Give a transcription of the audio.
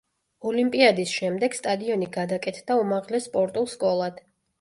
ოლიმპიადის შემდეგ სტადიონი გადაკეთდა უმაღლეს სპორტულ სკოლად.